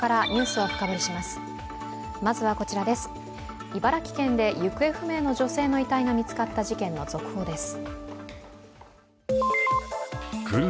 まずは、茨城県で行方不明の女性の遺体が見つかった事件の続報です。